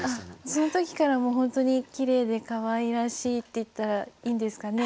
その時からもうほんとにきれいでかわいらしいっていったらいいんですかね。